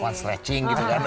lohan stretching gitu kan